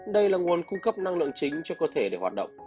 đây là nguồn cung cấp năng lượng chính cho cơ thể để hoạt động